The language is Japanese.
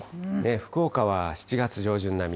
福岡は７月上旬並み。